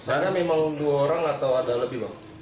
ada memang dua orang atau ada lebih